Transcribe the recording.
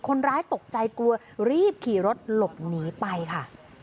คนร้ายตกใจกลัวรีบขี่รถหลบหนีไปค่ะ